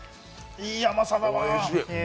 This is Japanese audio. いい甘さだわ。